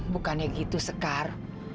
bukannya gitu sekar